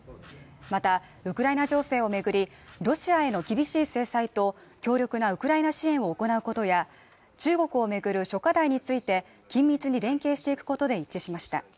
また、ウクライナ情勢を巡り、ロシアへの厳しい制裁と強力なウクライナ支援を行うことや、中国を巡る諸課題について緊密に連携していくことで一致しました。